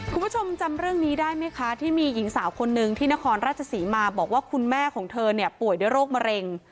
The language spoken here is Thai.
คุณผู้ชมจำเรื่องนี้ได้ไหมคะที่มีหญิงสาวคนนึงที่นครราชศรีมาบอกว่าคุณแม่ของเธอเนี่ยป่วยด้วยโรคมะเร็ง